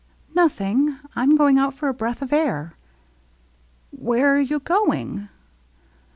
" Nothing. Tm going out for a breath of air." " Where are you going